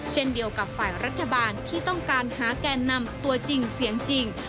เช่นเดียวกับฝ่ายรัฐบาลที่ต้องการหาแกนนำตัวจริงเสียงจริง